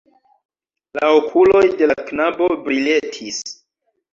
La okuloj de la knabo briletis.